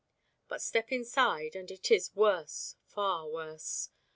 But step inside, and it is worse, far worse.